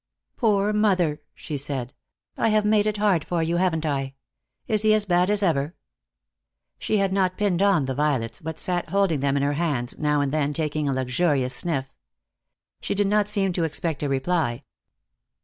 "Poor mother!" she said, "I have made it hard for you, haven't I? Is he as bad as ever?" She had not pinned on the violets, but sat holding them in her hands, now and then taking a luxurious sniff. She did not seem to expect a reply.